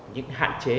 những hạn chế